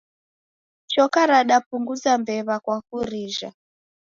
Choka radapunguza mbew'a kwa kurijha